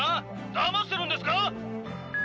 だましてるんですか？